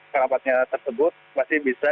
kerabatnya tersebut masih bisa